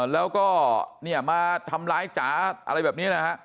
แล้วก็เนี่ยมาทำร้ายจ๋าอะไรแบบนี้นะฮะ